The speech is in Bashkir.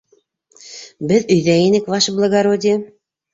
— Беҙ өйҙә инек, Ваше благородие!